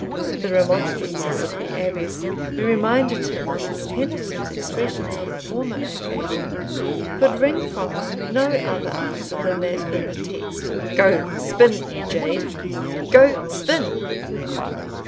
The remonstrances of the Abbess, who reminded him of his penitent expressions on the former occasion, could wring from him no other answer than that in the text "Go spin, you jade! Go spin!"